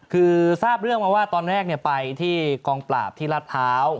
คือทราบเรื่องมาว่าตอนแรกเนี่ยไปที่กองปราบที่ลาดเท้า